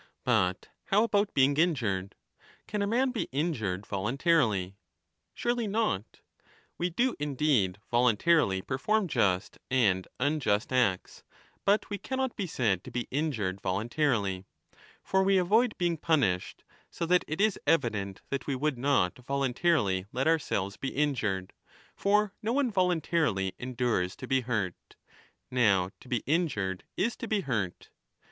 5 But how about being injured ? Can a man be injured voluntarily ? Surely not ! We do indeed voluntarily per form just and unjust acts, but we cannot be said to be injured voluntarily. For we avoid being punished, so that it is evident that we would not voluntarily let ourselves be injured. For no one voluntarily endures to be hurt. Now to be injured is to be hurt.